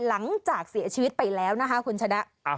หลังจากเสียชีวิตไปแล้วนะคะคุณชนะ